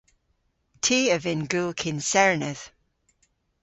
Ty a vynn gul kynserneth.